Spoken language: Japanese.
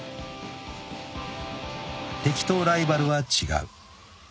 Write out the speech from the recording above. ［敵とライバルは違う］